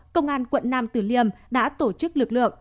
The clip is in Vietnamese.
công an quận năm từ liêm đã tổ chức lực lượng